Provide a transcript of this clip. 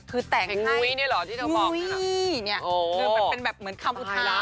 คือแต่งให้หุ้ยเนี่ยเหมือนคำอุทธาน